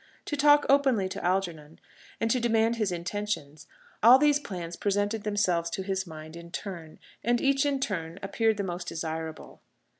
to talk openly to Algernon, and demand his intentions: all these plans presented themselves to his mind in turn, and each in turn appeared the most desirable.